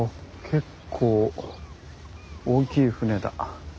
結構大きい船だ。